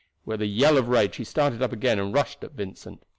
With a yell of rage he started up again and rushed at Vincent.